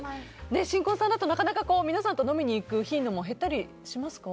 新婚さんだとなかなか皆さんと飲みに行く頻度も減ったりしますか？